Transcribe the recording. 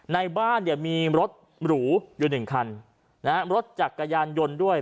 ในบ้านเนี่ยมีรถหรูอยู่หนึ่งคันนะฮะรถจักรยานยนต์ด้วย